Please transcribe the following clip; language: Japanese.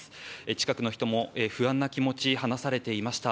近くの人も不安な気持ちを話されていました。